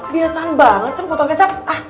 biasaan banget sih potong kecap